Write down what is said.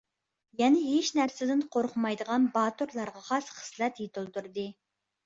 يەنە ھېچ نەرسىدىن قورقمايدىغان باتۇرلارغا خاس خىسلەت يېتىلدۈردى.